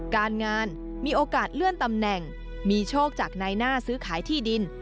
การงานมีโอกาสเลื่อนตำแหน่งมีโชคจากนายหน้าซื้อขายที่ดิน